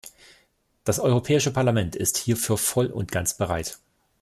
Das Europäische Parlament ist hierfür voll und ganz bereit.